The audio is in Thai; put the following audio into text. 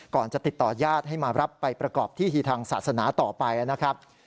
ก่อนจะติดต่อญาติให้มารับไปประกอบพิธีทางศาสนาต่อไปนะครับ